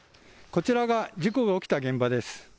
こちらが事故が起きた現場です。